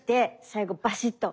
最後バシッと。